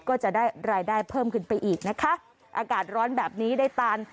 ก็จะได้รายได้เพิ่มขึ้นไปอีกนะคะอากาศร้อนแบบนี้ได้ตาล